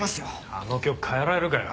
あの曲変えられるかよ。